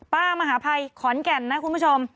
มหาภัยขอนแก่นนะคุณผู้ชม